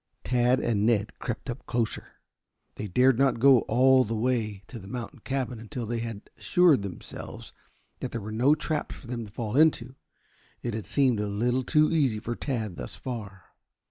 Tad and Ned crept up closer. They dared not go all the way to the mountain cabin until after they had assured themselves that there were no traps for them to fall into. It had seemed a little too easy for Tad thus far.